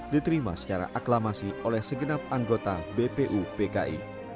diterima secara aklamasi oleh segenap anggota bpu pki